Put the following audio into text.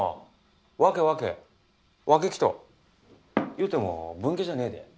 言うても分家じゃねえで。